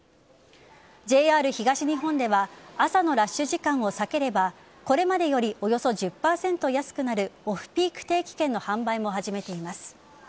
ＪＲ東日本では朝のラッシュ時間を避ければこれまでよりおよそ１０％安くなるオフピーク定期券の販売も始まっています。